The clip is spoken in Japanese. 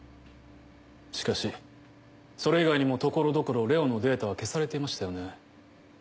しかしそれ以外にも所々ＬＥＯのデータは消されていましたよね。